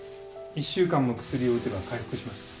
１週間も薬を打てば回復します